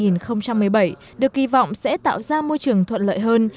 năm hai nghìn một mươi bảy được kỳ vọng sẽ tạo ra môi trường thuận lợi hơn